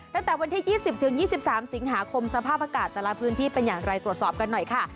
ตั้งแต่วันที่๒๐๒๓สิงหาคมสภาพอากาศแต่ละพื้นที่เป็นอย่างไรตรวจสอบกันหน่อยค่ะ